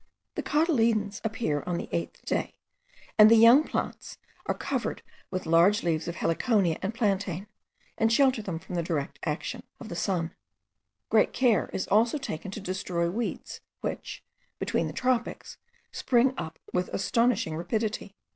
The cotyledons appear on the eighth day, and the young plants are covered with large leaves of heliconia and plantain, and shelter them from the direct action of the sun. Great care also is taken to destroy weeds, which, between the tropics, spring up with astonishing rapidity.